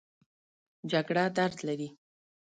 جګړه درد لري